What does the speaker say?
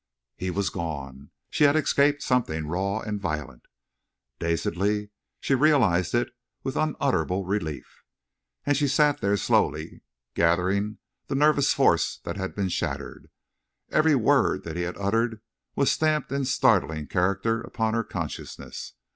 He was gone. She had escaped something raw and violent. Dazedly she realized it, with unutterable relief. And she sat there slowly gathering the nervous force that had been shattered. Every word that he had uttered was stamped in startling characters upon her consciousness.